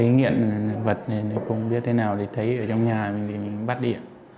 nghiện vật thì cũng biết thế nào thì thấy ở trong nhà mình thì mình bắt đi